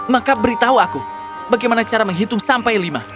maka beritahu aku bagaimana cara menghitung sampai lima